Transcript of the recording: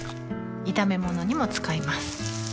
炒め物にも使います